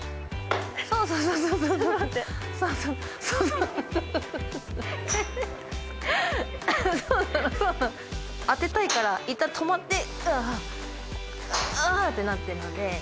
そうなのそうなの当てたいからいったん止まってあぁあぁってなってるので。